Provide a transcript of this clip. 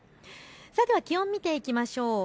では気温、見ていきましょう。